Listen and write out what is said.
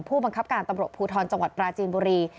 ผู้บังคับการตำรวจภูทรจังหวัดปราจีนบุรี